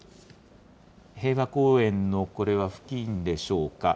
平和公園のこれは付近でしょうか。